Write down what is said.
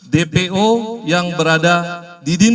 dpo yang berada di dinding